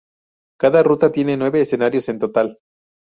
Cada ruta tiene nueve escenarios en total.